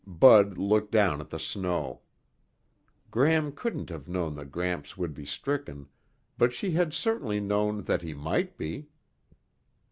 Bud looked down at the snow. Gram couldn't have known that Gramps would be stricken, but she had certainly known that he might be.